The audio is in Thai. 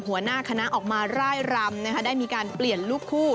หัวหน้าคณะออกมาร่ายรำได้มีการเปลี่ยนรูปคู่